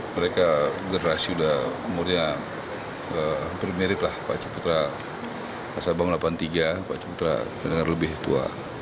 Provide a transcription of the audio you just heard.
mereka gerasi sudah umurnya hampir mirip lah pak ciputra pak sabam delapan puluh tiga pak ciputra dengan lebih tua